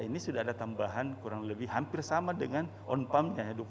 ini sudah ada tambahan kurang lebih hampir sama dengan on pump nya